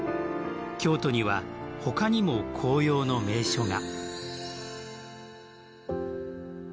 京都には他にも紅葉の名所が。